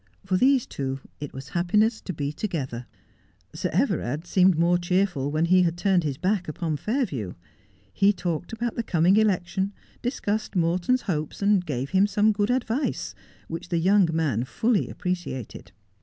For these two it was happiness to be together. Sir Everard seemed more cheerful when he had turned his back upon Fairview. He talked about the coming election, discussed Morton's hopes, and gave him some good advice, which the young man fully appreciated.